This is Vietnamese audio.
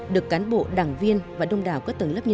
được cán bộ đảng viên và đông đảo các tầng lớp